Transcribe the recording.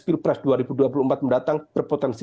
pilpres dua ribu dua puluh empat mendatang berpotensi